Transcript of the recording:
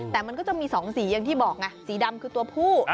แต่มันก็จะมี๒สีอย่างที่บอกไงสีดำคือตัวผู้